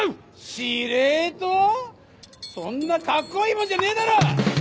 司令塔⁉そんなカッコいいもんじゃねえだろう！